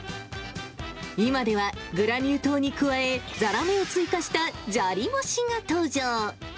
今ではグラニュー糖に加え、ザラメも追加したジャリ増しが登場。